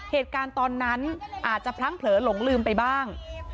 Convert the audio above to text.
เหตุการณ์ตอนนั้นอาจจะพลั้งเผลอหลงลืมไปบ้าง